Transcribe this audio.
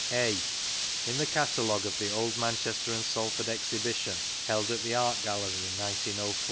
{a) In the Catalogue of the Old Manchester &• Salford Exhibition (held at the Art GaUery in 1904), on p.